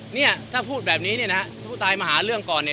เนี่ยถ้าพูดแบบนี้เนี่ยนะฮะผู้ตายมาหาเรื่องก่อนเนี่ย